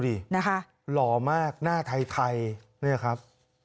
นี่ดูดิหล่อมากหน้าไทยนี่แหละครับ